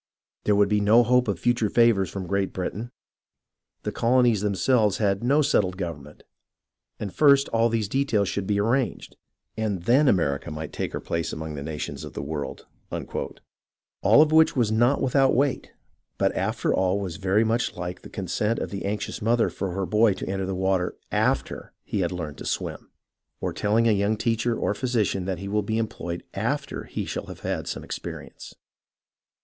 There would be no hope of future favours from Great Britain. The colonies themselves had no settled government, and first all these details should be arranged, and tJicn America might take her place among the nations of the world" — all of which was not without weight, but after all was very much like the consent of the anxious mother for her boy to enter the water after he had learned to swim ; or telling a young teacher or physician that he will be employ ed ^//^r he shall have had some experience.